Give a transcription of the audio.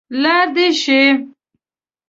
لاړ دې شي.